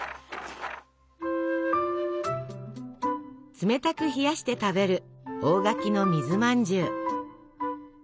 冷たく冷やして食べる大垣の水まんじゅう。